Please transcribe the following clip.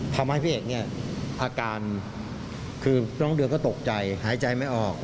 ทำให้พี่เอกเนี่ยอาการคือน้องเดือนก็ตกใจหายใจไม่ออก